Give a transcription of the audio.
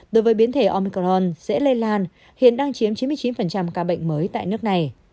đối với biến thể omicron dễ lây lan hiện đang chiếm chín mươi chín ca bệnh mới tại nước này